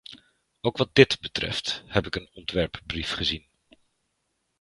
Ook wat dit betreft, heb ik een ontwerpbrief gezien.